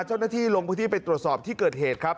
เจ้าหน้าที่ลงพื้นที่ไปตรวจสอบที่เกิดเหตุครับ